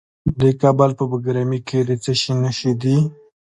د کابل په بګرامي کې د څه شي نښې دي؟